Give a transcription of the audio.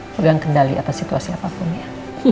pegang kendali atas situasi apapun ya